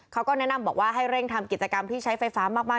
เขาก็แนะนำบอกว่าให้เร่งทำกิจกรรมที่ใช้ไฟฟ้ามาก